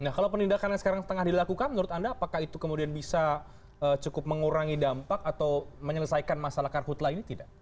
nah kalau penindakan yang sekarang setengah dilakukan menurut anda apakah itu kemudian bisa cukup mengurangi dampak atau menyelesaikan masalah karhutlah ini tidak